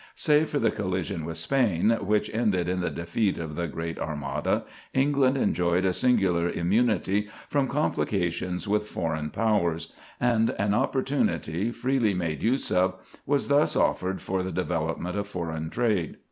Save for the collision with Spain, which ended in the defeat of the great Armada, England enjoyed a singular immunity from complications with foreign powers; and an opportunity, freely made use of, was thus offered for the development of foreign trade.